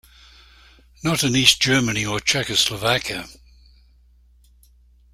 Not in East Germany or Czechoslovakia.